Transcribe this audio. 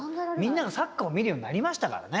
みんながサッカーを見るようになりましたからね。